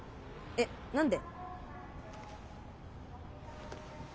えっ何で？